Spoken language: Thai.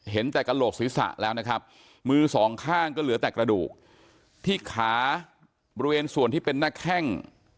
เห็นแต่กระโหลกศีรษะแล้วนะครับมือสองข้างก็เหลือแต่กระดูกที่ขาบริเวณส่วนที่เป็นหน้าแข้ง